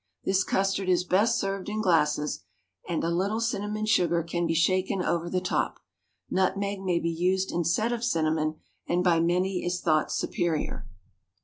This custard is best served in glasses, and a little cinnamon sugar can be shaken over the top. Nutmeg may be used instead of cinnamon, and by many is thought superior.